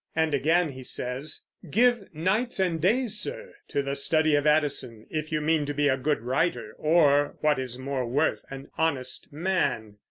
And again he says, "Give nights and days, sir, to the study of Addison if you mean to be a good writer, or, what is more worth, an honest man."